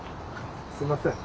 すみません。